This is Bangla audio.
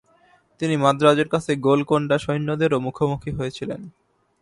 তিনি মাদ্রাজের কাছে গোলকোন্ডা সৈন্যদেরও মুখোমুখি হয়েছিলেন।